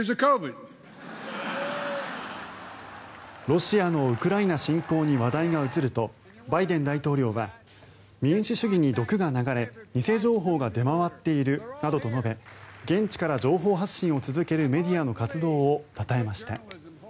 ロシアのウクライナ侵攻に話題が移るとバイデン大統領は民主主義に毒が流れ偽情報が出回っているなどと述べ現地から情報発信を続けるメディアの活動をたたえました。